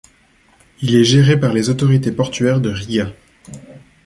Il est géré par les autorités portuaires de Riga.